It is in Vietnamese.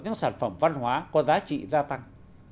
những sản phẩm văn hóa có giá trị gia tăng